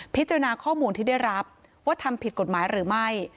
ข้อมูลที่ได้รับว่าทำผิดกฎหมายหรือไม่